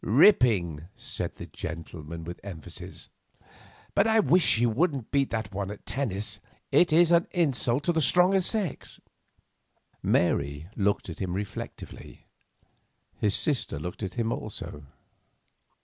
"Ripping," said that gentleman, with emphasis. "But I wish she wouldn't beat one at tennis; it is an insult to the stronger sex." Mary looked at him reflectively. His sister looked at him also.